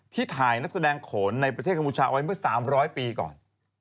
ถ่ายนักแสดงโขนในประเทศกัมพูชาไว้เมื่อ๓๐๐ปีก่อน